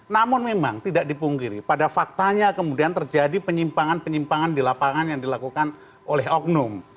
namun memang tidak dipungkiri pada faktanya kemudian terjadi penyimpangan penyimpangan di lapangan yang dilakukan oleh oknum